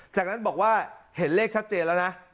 จากนั้นบอกว่าเห็นเลขชัดเจนแล้วนะ